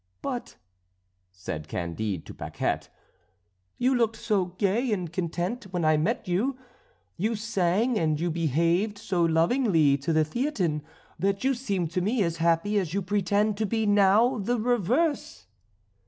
"But," said Candide to Paquette, "you looked so gay and content when I met you; you sang and you behaved so lovingly to the Theatin, that you seemed to me as happy as you pretend to be now the reverse."